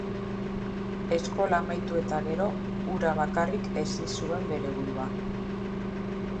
Eskola amaitu eta gero, hura bakarrik hezi zuen bere burua.